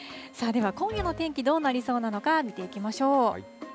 では、今夜の天気、どうなりそうなのか、見ていきましょう。